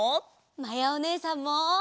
まやおねえさんも！